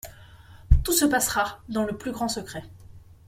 Tout se passera dans le plus grand secret.